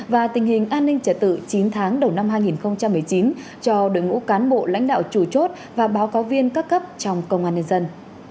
và tình hình an ninh trả tự chín tháng đầu năm hai nghìn một mươi chín cho đội ngũ cán bộ lãnh đạo chủ chốt và báo cáo viên các cấp trong công an nhân dân